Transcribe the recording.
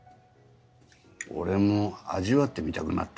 俺も味わってみたくなった。